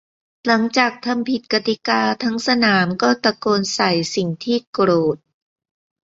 หลังจากทำผิดกติกาทั้งสนามก็ตะโกนใส่สิ่งที่โกรธ